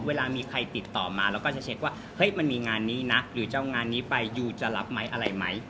เวลามีใครติดต่อมาเราก็จะเช็คว่าเฮ้ยมันมีงานนี้นะหรือจะเอางานนี้ไปยูจะรับไหมอะไรไหม